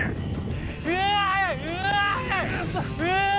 うわ！